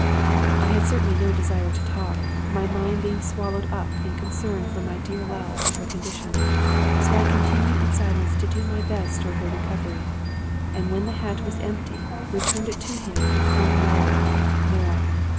I had certainly no desire to talk, my mind being swal lowed up in concern for my dear love and her condition; so I continued in silence to do my best toward her recovery, and, when the hat was empty, returned it to him, with one word —" More."